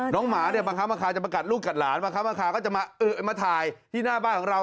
น้องหมาบางครั้งบางครั้งจะประกันลูกกับหลานบางครั้งบางครั้งก็จะมาถ่ายที่หน้าบ้านของเรา